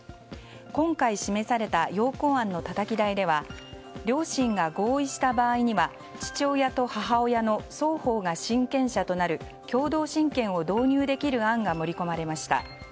今回、示された要綱案のたたき台では両親が合意した場合には父親と母親の双方が親権者となる共同親権を導入できる案が盛り込まれました。